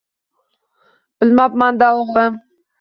Bilmabman-da, o‘g‘lim.